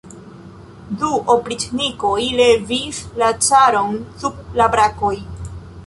Du opriĉnikoj levis la caron sub la brakoj.